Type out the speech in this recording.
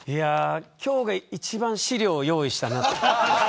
今日が一番資料を用意したなと。